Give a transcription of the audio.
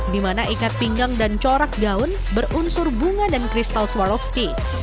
di mana ikat pinggang dan corak gaun berunsur bunga dan kristal swarovski